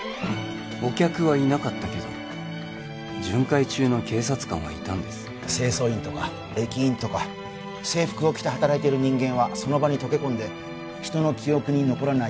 お客はいなかったけど巡回中の警察官はいたんです清掃員とか駅員とか制服を着て働いている人間はその場に溶け込んで人の記憶に残らない